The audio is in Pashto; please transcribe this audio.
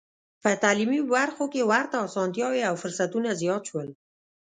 په تعلیمي برخو کې ورته اسانتیاوې او فرصتونه زیات شول.